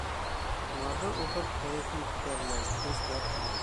Уларҙы уҡып кәйефем күтәрелә, көс-дәрт алам.